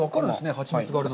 ハチミツがあるの。